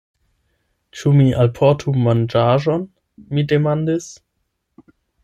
Ĉu mi alportu manĝaĵon? mi demandis.